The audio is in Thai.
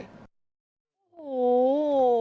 โอ้โห